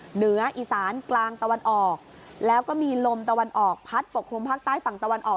เหนืออีสานกลางตะวันออกแล้วก็มีลมตะวันออกพัดปกคลุมภาคใต้ฝั่งตะวันออก